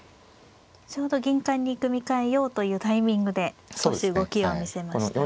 ちょうど銀冠に組み替えようというタイミングで少し動きを見せましたね。